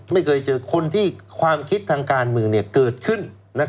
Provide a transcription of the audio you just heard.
ไม่เคยเจอคนที่ความคิดทางการเมืองเกิดขึ้น